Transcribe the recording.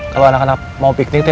kalau anak anak mau piknik itu